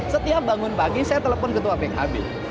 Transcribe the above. setiap bangun pagi saya telepon ketua pkb